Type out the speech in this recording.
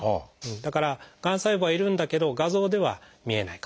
だからがん細胞はいるんだけど画像では見えない。